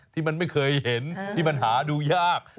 ที่มันไม่เคยเห็นที่มันหาดูยาก